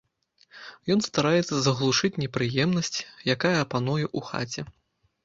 Ён стараецца заглушыць непрыемнасць, якая пануе ў хаце.